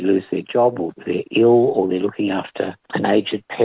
atau mereka sakit atau mereka mencari seorang orang yang berusia atau anak baru